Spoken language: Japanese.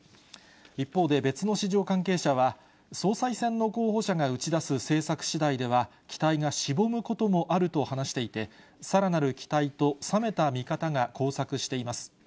一方で別の市場関係者は、総裁選の候補者が打ち出す政策しだいでは、期待がしぼむこともあると話していて、さらなる期待と冷めた見方が交錯しています。